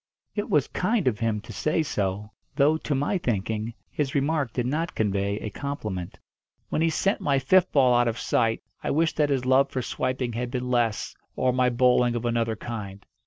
It was kind of him to say so; though, to my thinking, his remark did not convey a compliment. When he sent my fifth ball out of sight I wished that his love for swiping had been less, or my bowling of another kind.